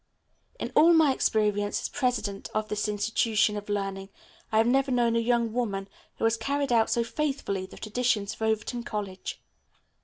In all my experience as president of this institution of learning I have never known a young woman who has carried out so faithfully the traditions of Overton College."